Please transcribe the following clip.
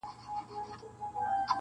د شداد او د توبې یې سره څه-